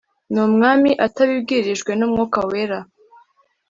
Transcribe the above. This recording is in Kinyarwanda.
ni Umwami atabibwirijwe nUmwuka Wera